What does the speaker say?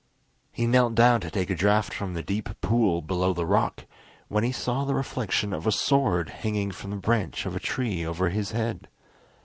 He knelt down to take a draught from the deep pool below the rock, when he saw the reflection of a sword hanging from the branch of a tree over his head.